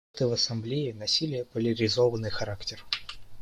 Дебаты в Ассамблее носили поляризованный характер.